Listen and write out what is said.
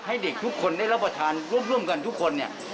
ให้เด็กทุกคนได้รับประทานร่วมกันทุกคนเนี่ย